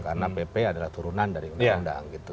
karena pp adalah turunan dari undang undang gitu